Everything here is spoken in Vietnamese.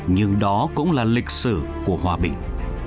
nhưng đó cũng là lịch sử của hòa bình